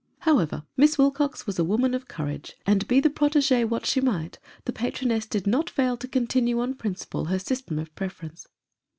However, Miss Wilcox was a woman of courage ; and be the protege what she might, the patroness did not fail to continue on principle her system of preference.